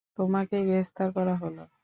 তোমাকে গ্রেফতার করা হল।